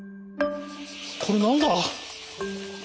これ何だ？